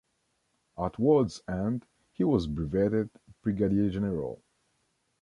At war's end he was brevetted Brigadier General.